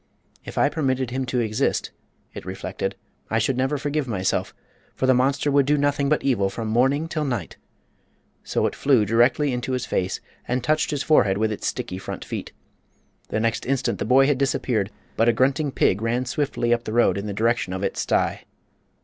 "If I permitted him to exist," it reflected, "I should never forgive myself, for the monster would do nothing but evil from morning 'til night." So it flew directly into his face and touched his forehead with its sticky front feet. The next instant the boy had disappeared, but a grunting pig ran swiftly up the road in the direction of its sty.